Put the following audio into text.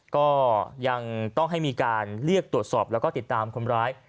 ก็ยังต้องให้มีการเรียกตรวจสอบแล้วก็ติดตามคนร้าย